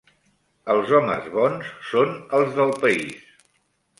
Els homes bons són els del país.